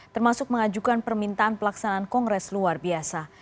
termasuk mengajukan permintaan pelaksanaan kongres luar biasa